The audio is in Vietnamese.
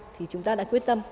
thì chúng ta đã quyết tâm